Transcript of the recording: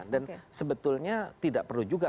dan sebetulnya tidak perlu juga